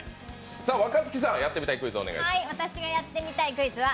若槻さん、やってみたいクイズは？